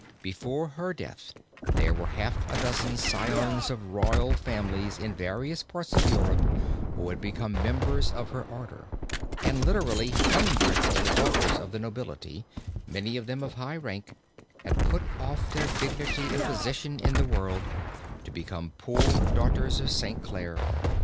Before her death, there were half a dozen scions of royal families in various parts of Europe who had become members of her order, and literally hundreds of the daughters of the nobility, many of them of high rank, had put off their dignity and position in the world, to become poor daughters of Saint Clare.